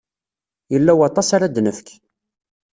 Yella waṭas ara d-nefk.